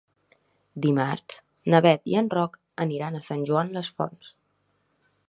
Dimarts na Beth i en Roc aniran a Sant Joan les Fonts.